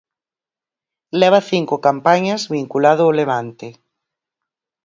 Leva cinco campañas vinculado o Levante.